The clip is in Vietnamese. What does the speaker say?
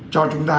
cho chúng ta